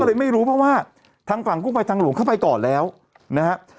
เลยไม่รู้เพราะว่าทางฝั่งกู้ภัยทางหลวงเข้าไปก่อนแล้วนะครับ